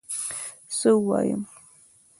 څه ووایم